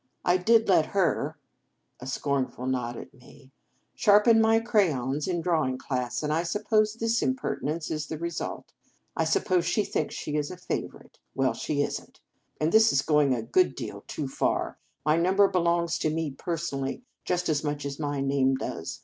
I did let her" (a scorn ful nod at me) "sharpen my crayons in drawing class, and I suppose this impertinence is the result. I suppose she thinks she is a favourite. Well, she is n t. And this is going a good deal too far. My number belongs to me personally, just as much as my name does.